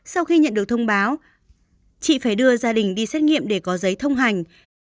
sau khi nhận được thông báo chị phải đưa gia đình đi xét nghiệm để có giấy thông hành